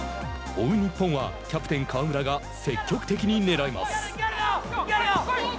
追う日本はキャプテン川村が積極的にねらいます。